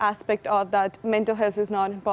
aspek kesehatan mental itu tidak penting